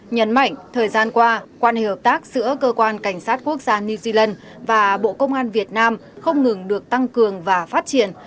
nhấn mạnh thời gian qua quan hệ hợp tác giữa cơ quan cảnh sát quốc gia new zealand và bộ công an việt nam không ngừng được tăng cường và phát triển